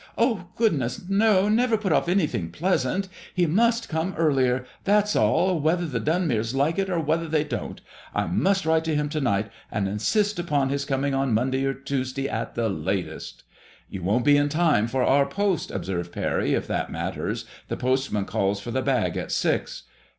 Oh, good ness! no. Never put off any thing pleasant. He must come earlier, that's all, whether the Dunmeres like it or whether they don't. I must write to him to night, and insist upon his coming on Monday or Tuesday at the latest." 84 MADEMOISELLE IXK. " You won't be in time for our post," observed Parry, " if that matters. The postman calls for the bag at six."